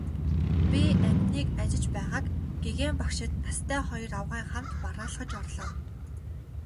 Би амьтныг ажиж байгааг гэгээн багшид настай хоёр авгайн хамт бараалхаж орлоо.